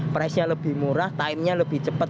price nya lebih murah timenya lebih cepat